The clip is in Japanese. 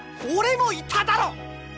俺もいただろ！